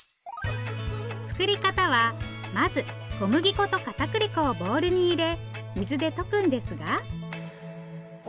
作り方はまず小麦粉とかたくり粉をボウルに入れ水で溶くんですが。